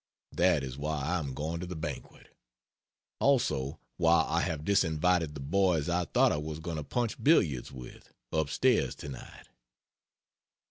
That is why I am going to the banquet; also why I have disinvited the boys I thought I was going to punch billiards with, upstairs to night.